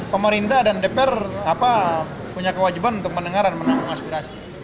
pemerintah dan dpr punya kewajiban untuk mendengar dan menampung aspirasi